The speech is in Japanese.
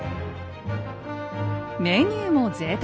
メニューも贅沢。